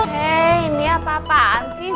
oke ini apa apaan sih